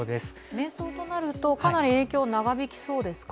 迷走となると、かなり影響は長引きそうですか？